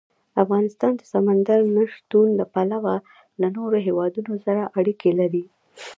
افغانستان د سمندر نه شتون له پلوه له نورو هېوادونو سره اړیکې لري.